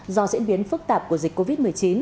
do diễn biến phức tạp của dịch covid một mươi chín